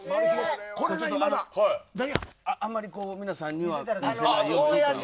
あまり皆さんには見せないように。